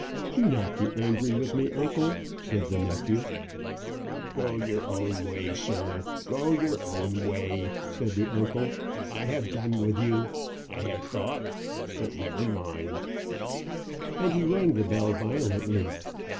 "Do not be angry with me, uncle," said the nephew. "Go your own way, sir; go your own way," said the uncle. "I have done with you. I had thought but never mind " and he rang the bell violently.